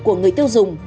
của người tiêu dùng